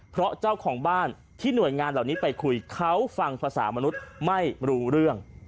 เพราะเจ้าของบ้านที่หน่วยงานเหล่านี้ไปคุยเขาฟังภาษามนุษย์ไม่รู้เรื่อง